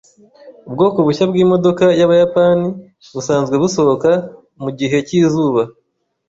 Ubwoko bushya bwimodoka yabayapani busanzwe busohoka mugihe cyizuba.